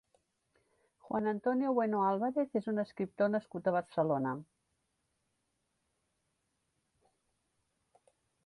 Juan Antonio Bueno Álvarez és un escriptor nascut a Barcelona.